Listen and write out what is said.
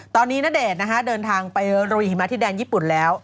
ตอนนี้ณเดชน์เดินทางไปโรยหิมะที่แดนญี่ปุ่นแล้ว